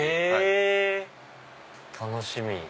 へぇ楽しみ！